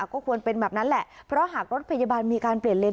ก็ควรเป็นแบบนั้นแหละเพราะหากรถพยาบาลมีการเปลี่ยนเลน